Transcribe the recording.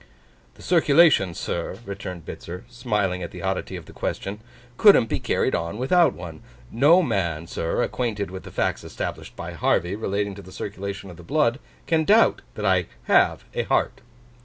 'The circulation, sir,' returned Bitzer, smiling at the oddity of the question, 'couldn't be carried on without one. No man, sir, acquainted with the facts established by Harvey relating to the circulation of the blood, can doubt that I have a heart.